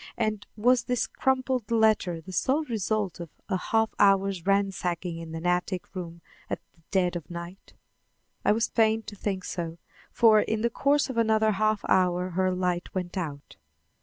and was this crumpled letter the sole result of a half hour's ransacking in an attic room at the dead of night? I was fain to think so, for in the course of another half hour her light went out.